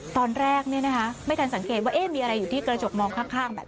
ตอนแรกไม่ทันสังเกตว่ามีอะไรอยู่ที่กระจกมองข้างแบบ